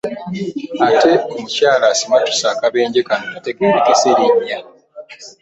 Ate mukyala asimattuse akabenje kano tategeerekese linnya.